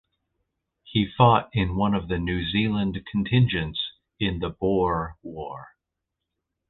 He fought in one of the New Zealand contingents in the Boer War.